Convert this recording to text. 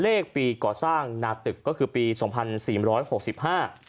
เลขปีก่อสร้างนาตึกก็คือปีสองพันสี่ร้อยหกสิบห้า